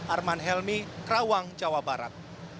arman helmi karawang jawa barat